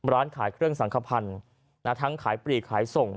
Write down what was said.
ร้านขายเครื่องสังขพันธ์ทั้งขายปลีกขายส่ง